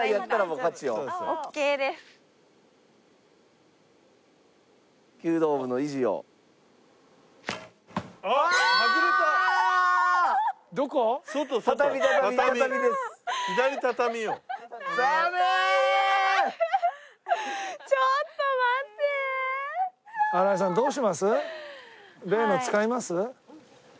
例の使います？